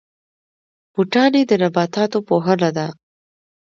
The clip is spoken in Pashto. بوټاني د نباتاتو پوهنه ده